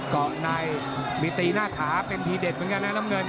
เกาะในมีตีหน้าขาเป็นทีเด็ดเหมือนกันนะน้ำเงิน